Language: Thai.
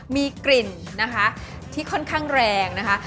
มีกลิ่นนะคะที่ค่อนข้างแรงนะคะ